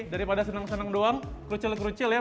daripada senang senang doang kerucil kerucil ya